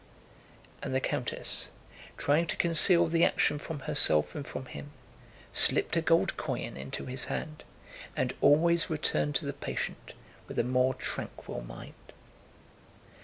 And the countess, trying to conceal the action from herself and from him, slipped a gold coin into his hand and always returned to the patient with a more tranquil mind.